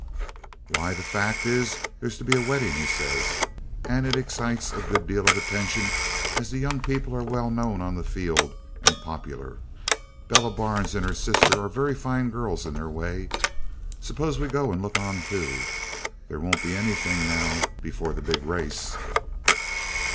'Why, the fact is there's to be a wedding,' he says, 'and it excites a good deal of attention as the young people are well known on the field and popular. Bella Barnes and her sister are very fine girls in their way. Suppose we go and look on too! There won't be anything now before the big race.'